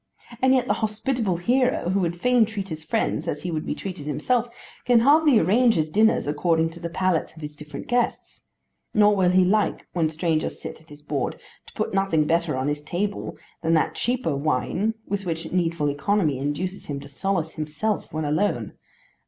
And yet the hospitable hero who would fain treat his friends as he would be treated himself can hardly arrange his dinners according to the palates of his different guests; nor will he like, when strangers sit at his board, to put nothing better on his table than that cheaper wine with which needful economy induces him to solace himself when alone.